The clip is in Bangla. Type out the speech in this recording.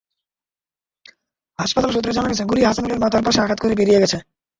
হাসপাতাল সূত্রে জানা গেছে, গুলি হাসানুলের মাথার পাশে আঘাত করে বেরিয়ে গেছে।